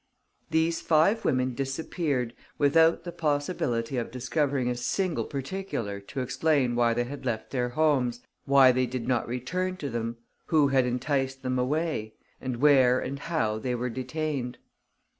These five women disappeared without the possibility of discovering a single particular to explain why they had left their homes, why they did not return to them, who had enticed them away, and where and how they were detained.